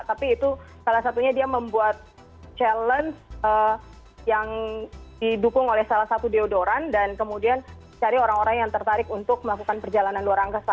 tapi itu salah satunya dia membuat challenge yang didukung oleh salah satu deodoran dan kemudian cari orang orang yang tertarik untuk melakukan perjalanan luar angkasa